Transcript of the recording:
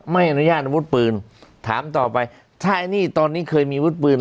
ไม่อนุญาตอาวุธปืนถามต่อไปถ้าไอ้นี่ตอนนี้เคยมีวุฒิปืน